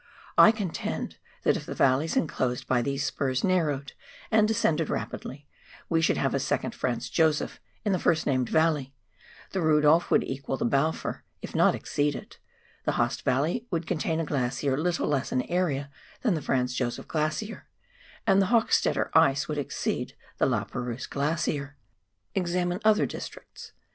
I contend that if the valleys enclosed by these spurs narrowed and descended rapidly, we should have a second Franz Josef in the first named valley; the Rudolph would equal the BaKour, if not exceed it ; the Haast valley would contain a glacier little less in area than the Franz Josef Glacier, and the Hochstetter ice would exceed the La Perouse Glacier. Examine other districts.